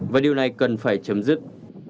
và điều này cần phải chấm dứt